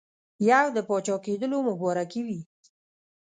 یو د پاچاکېدلو مبارکي وي.